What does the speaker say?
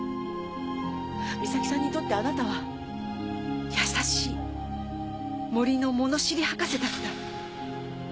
美咲さんにとってあなたは優しい森の物知り博士だった。